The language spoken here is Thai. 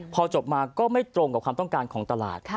พอจบมาก็ไม่ตรงกับความต้องการของตลาด